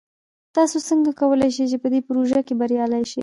تاسو څنګه کولی شئ چې په دې پروژه کې بریالي شئ؟